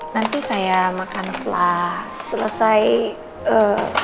nanti saya makan setelah selesai